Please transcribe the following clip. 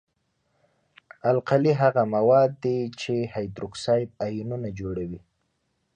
القلي هغه مواد دي چې هایدروکساید آیونونه جوړوي.